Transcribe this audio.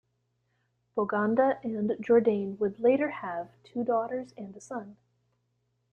Boganda and Jourdain would later have two daughters and a son.